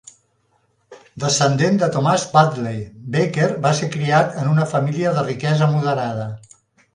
Descendent de Thomas Dudley, Baker va ser criat en una família de riquesa moderada.